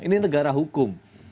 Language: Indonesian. ini negara hukum